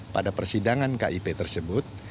pada persidangan kip tersebut